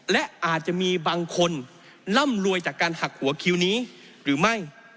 และอาจจะมีบางคนร่ำรวยจากการหักหัวคิวนี้หรือไม่